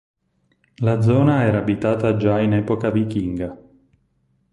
La zona era abitata già in epoca vichinga.